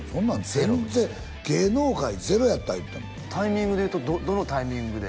全然「芸能界ゼロやった」言うてたもんタイミングでいうとどのタイミングで？